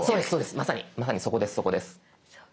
まさにまさにそこですそこです。